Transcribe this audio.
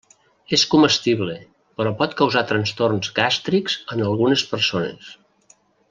És comestible, però pot causar trastorns gàstrics en algunes persones.